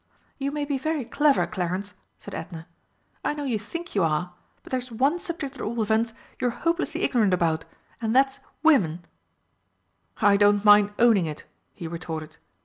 "You may be very clever, Clarence," said Edna, "I know you think you are, but there's one subject at all events you're hopelessly ignorant about and that's Women!" "I don't mind owning it," he retorted.